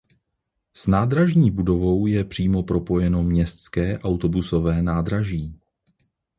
S nádražní budovou je přímo propojeno městské autobusové nádraží.